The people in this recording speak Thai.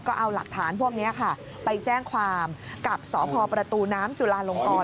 ก็เอาหลักฐานพวกนี้ค่ะไปแจ้งความกับสพประตูน้ำจุลาลงกร